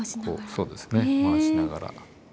そうですね回しながら。